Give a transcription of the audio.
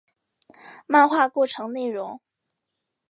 漫画构成内容。